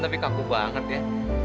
tapi kaku banget ya